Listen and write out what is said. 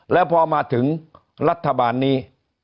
แล้วพอมาถึงรัฐบาลนี้